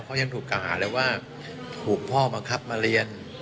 เขายังถูกกล่าวหาเลยว่าถูกพ่อบังคับมาเรียน